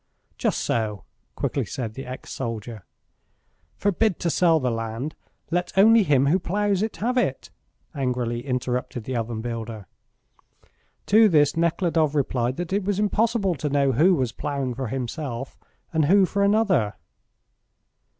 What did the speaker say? "Just so," quickly said the ex soldier. "Forbid to sell the land; let only him who ploughs it have it," angrily interrupted the oven builder. To this Nekhludoff replied that it was impossible to know who was ploughing for himself and who for another.